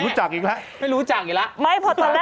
รู้จักอีกแล้วรู้จักอีกแล้วไม่รู้จักอีกแล้ว